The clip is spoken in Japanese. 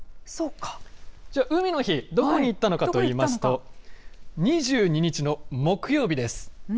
じゃあ、海の日、どこに行ったのかといいますと、２２日の木曜日です。